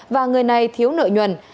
và người này thiếu nợ nhuần